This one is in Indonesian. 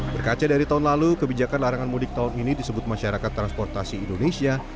berkaca dari tahun lalu kebijakan larangan mudik tahun ini disebut masyarakat transportasi indonesia